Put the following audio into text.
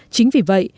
chính vì vậy